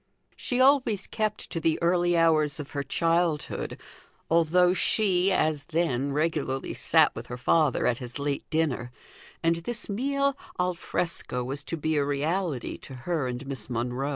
She always kept to the early hours of her childhood, although she, as then, regularly sat with her father at his late dinner; and this meal al fresco was to be a reality to her and Miss Monro.